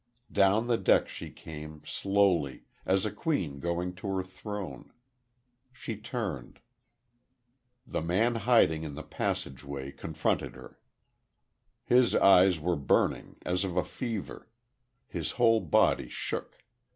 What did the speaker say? Down the deck she came, slowly, as a queen going to her throne. She turned.... The man hiding in the passageway confronted her. His eyes were burning as of a fever; his whole body shook....